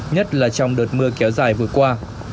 nhất là trong đợt mưa kéo dài vừa qua